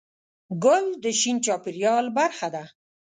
ګل د شین چاپېریال برخه ده.